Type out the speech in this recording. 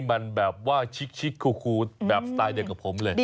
มันแบบว่าชิคคูแบบสไตล์เดียวกับผมเลย